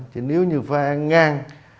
chỉ nếu như phá án ngang